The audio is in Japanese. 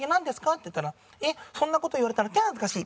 って言ったら「えっそんな事言われたらキャー恥ずかしい」。